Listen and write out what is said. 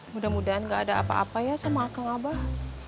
mudah mudahan gak ada apa apa ya sama akal abah